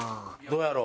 どうやろ？